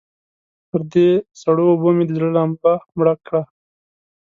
پر دې سړو اوبو مې د زړه لمبه مړه کړه.